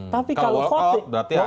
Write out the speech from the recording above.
kalau work out berarti aneh